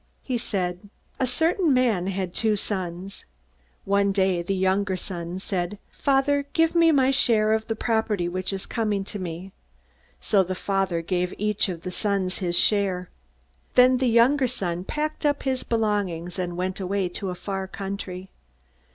He said: "A certain man had two sons. One day the younger son said, 'Father, give me my share of the property which is coming to me,' So the father gave each of the sons his share. "Then the younger son packed up his belongings, and went away to a far country.